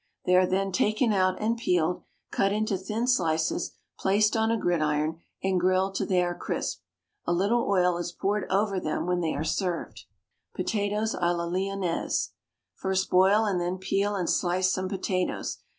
They are then taken out and peeled, cut into thin slices, placed on a gridiron, and grilled till they are crisp. A little oil is poured over them when they are served. POTATOES A LA LYONNAISE. First boil and then peel and slice some potatoes.